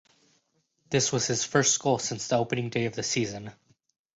This was his first goal since the opening day of the season.